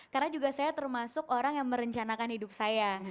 karena juga saya termasuk orang yang merencanakan hidup saya